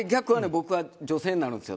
僕は女性になるんですよ